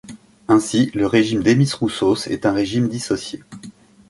Ainsi le régime Demis Roussos est un régime dissocié.